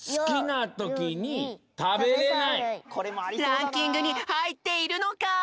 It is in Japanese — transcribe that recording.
ランキングにはいっているのか！？